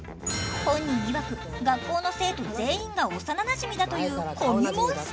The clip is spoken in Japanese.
本人いわく学校の生徒全員が幼なじみだというコミュモンスター。